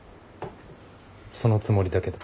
そのつもりだけど。